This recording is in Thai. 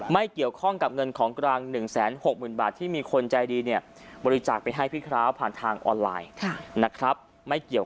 ไม่เกี่ยวข้องกับเงินของกลาง๑๖๐๐๐๐บาทที่มีคนใจดีเนี่ย